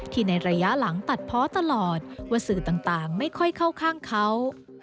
ในระยะหลังตัดเพาะตลอดว่าสื่อต่างไม่ค่อยเข้าข้างเขา